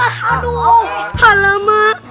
aku kan bukan ayam tau gak